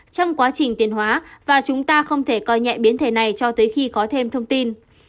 trong quá trình tiền hóa và chúng ta không thể coi nhẹ biến thể này cho tới khi có thêm thông tin